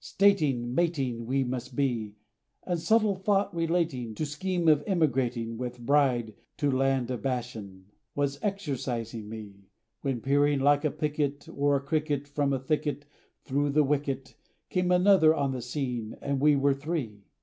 Stating, Mating we must be, And subtle thought, relating, To scheme, of emigrating, With bride, to land of Bashan, Was exercising me; When, peering like a picket, Or a cricket, From a thicket, Thro' the wicket, Came another, on the scene, And we were three!